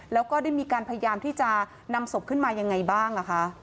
แล้วก็ได้มีการพยายามที่จะนำศพขึ้นมายังไงบ้าง